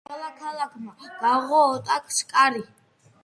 ყველა ქალაქმა გაუღო ოტოს კარიბჭე.